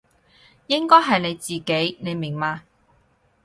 應該係你自己，你明嘛？